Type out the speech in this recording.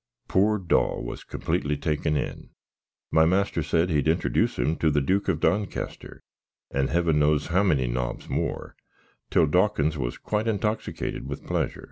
Poor Daw was complitly taken in. My master said he'd introduce him to the Duke of Doncaster, and Heaven knows how many nobs more, till Dawkins was quite intawsicated with pleasyour.